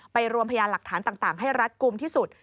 รวมพยานหลักฐานต่างให้รัดกลุ่มที่สุด